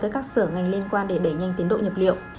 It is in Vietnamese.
với các sở ngành liên quan để đẩy nhanh tiến độ nhập liệu